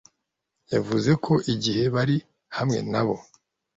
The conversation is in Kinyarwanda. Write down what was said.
yavuze ko igihe bari hamwe nabo,